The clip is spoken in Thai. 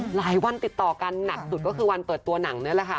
หลายวันติดต่อกันหนักสุดก็คือวันเปิดตัวหนังนี่แหละค่ะ